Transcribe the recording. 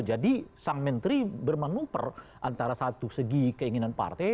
jadi sang menteri bermanuper antara satu segi keinginan partai